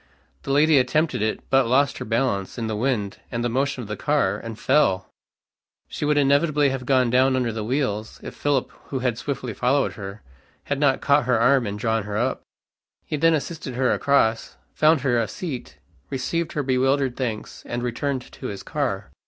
The lady attempted it, but lost her balance, in the wind and the motion of the car, and fell! She would inevitably have gone down under the wheels, if Philip, who had swiftly followed her, had not caught her arm and drawn her up. He then assisted her across, found her a seat, received her bewildered thanks, and returned to his car.